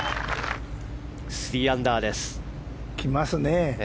３アンダーです。